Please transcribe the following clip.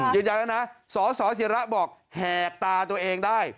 ยืนยันแล้วนะสสิระบอกแหกตาตัวเองได้